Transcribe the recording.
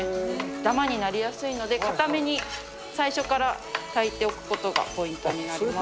だまになりやすいので、硬めに最初から炊いておくことがポイントになります。